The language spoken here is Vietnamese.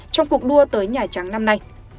trong cuộc đua tới nhà trắng năm nay